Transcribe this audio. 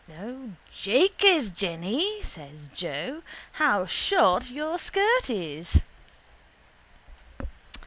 —O jakers, Jenny, says Joe, how short your shirt is!